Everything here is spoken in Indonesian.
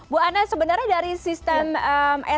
bu anna sebenarnya dari sistem eee